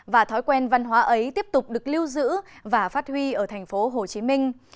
và thói quen văn hóa ấy tiếp tục được lưu giữ và phát huy ở thành phố hồ chí minh